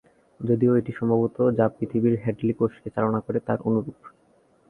যদিও এটি সম্ভবত যা পৃথিবীর হ্যাডলি কোষকে চালনা করে তার অনুরূপ।